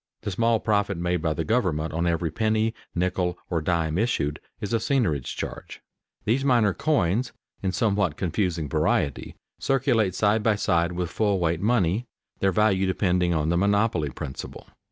The small profit made by the government on every penny, nickel, or dime issued, is a seigniorage charge. These minor coins, in somewhat confusing variety, circulate side by side with full weight money, their value depending on the monopoly principle.